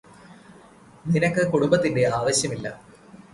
നിനക്ക് കുടുംബത്തിന്റെ ആവശ്യമില്ല